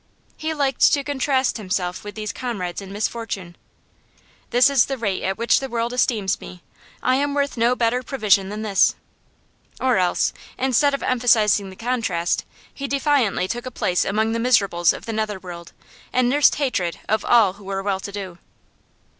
He liked to contrast himself with these comrades in misfortune. 'This is the rate at which the world esteems me; I am worth no better provision than this.' Or else, instead of emphasising the contrast, he defiantly took a place among the miserables of the nether world, and nursed hatred of all who were well to do.